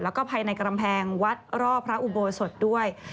และภายในกระแพงวัดรอพระอุโบสดด้วย